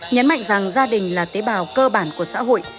nhấn mạnh rằng gia đình là tế bào cơ bản của xã hội